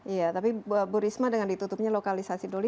iya tapi bu risma dengan ditutupnya lokalisasi doli